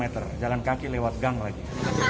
enam ratus meter jalan kaki lewat gang lagi